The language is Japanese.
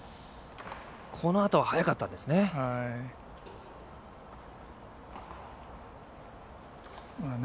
このあとは早かったですよね。